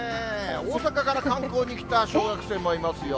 大阪から観光に来た小学生もいますよ。